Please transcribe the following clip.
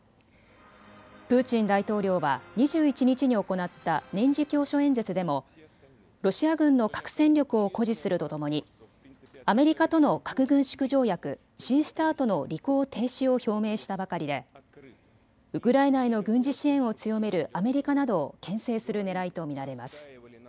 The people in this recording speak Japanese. プーチン大統領は２１日に行った年次教書演説でもロシア軍の核戦力を誇示するとともにアメリカとの核軍縮条約、新ＳＴＡＲＴの履行停止を表明したばかりでウクライナへの軍事支援を強めるアメリカなどをけん制するねらいと見られます。